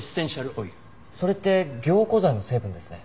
それって凝固剤の成分ですね。